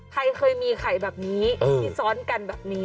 ใครเคยมีไข่แบบนี้ที่ซ้อนกันแบบนี้